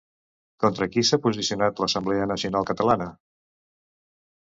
Contra qui s'ha posicionat l'Assemblea Nacional Catalana?